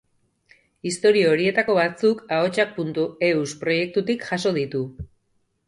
Istorio horietako batzuk ahotsak.eus proiektutik jaso ditu.